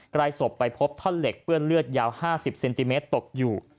ใกล้ศพไปพบท่อนเหล็กเปื้อนเลือดยาว๕๐เซนติเมตรตกอยู่